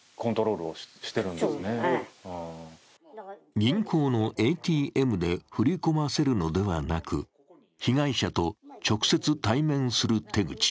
銀行のＡＴＭで振り込ませるのではなく被害者と直接対面する手口。